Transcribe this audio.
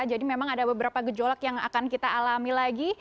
jadi memang ada beberapa gejolak yang akan kita alami lagi